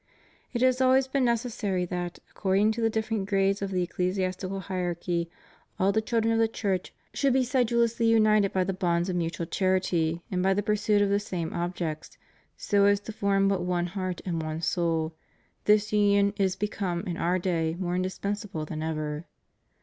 If it has always been necessary that, according to the different grades of the ecclesiastical hierarchy, all the children of the Church should be sedulously united by the bonds of mutual charity and by the pursuit of the same objects, so as to form but one heart and one soul, this union is become in our day more indispensable than ever.